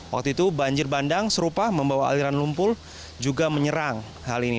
waktu itu banjir bandang serupa membawa aliran lumpur juga menyerang hal ini